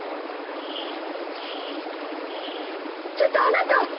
ちょっとあなた！